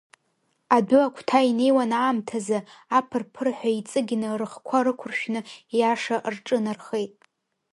Адәы агәҭа инеиуан аамҭазы, аԥыр-ԥырҳәа иҵыгьны, рыхқәа рықәыршәны иаша рҿынархеит.